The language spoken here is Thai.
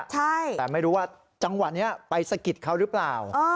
แต่ไม่รู้ว่าจังหวะนี้ไปสะกิดเขาหรือเปล่า